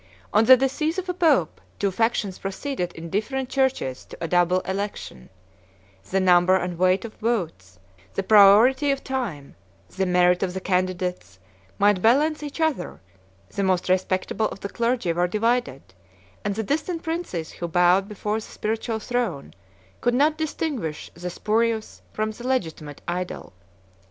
On the decease of a pope, two factions proceeded in different churches to a double election: the number and weight of votes, the priority of time, the merit of the candidates, might balance each other: the most respectable of the clergy were divided; and the distant princes, who bowed before the spiritual throne, could not distinguish the spurious, from the legitimate, idol.